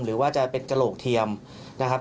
หรือว่าจะเป็นกระโหลกเทียมนะครับ